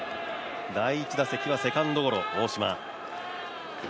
第１打席はセカンドゴロ、大島。